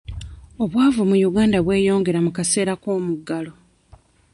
Obwavu mu Uganda bweyongera mu kaseera k'omuggalo.